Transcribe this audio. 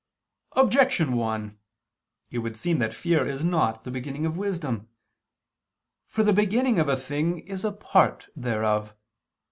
Objection 1: It would seem that fear is not the beginning of wisdom. For the beginning of a thing is a part thereof.